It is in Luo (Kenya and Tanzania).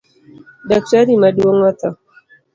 Daktari maduong otho